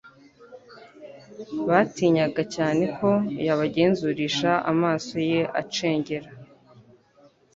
batinyaga cyane ko yabagenzurisha amaso ye acengera.